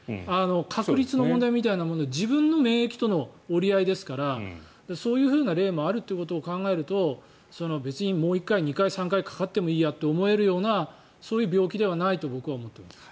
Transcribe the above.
確率の問題みたいなもので自分の免疫との折り合いですからそういう例もあるということを考えると別にもう１回、２回、３回かかってもいいと思えるようなそういう病気ではないと僕は思っています。